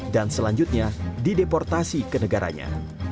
dan selanjutnya dideportasi ke negaranya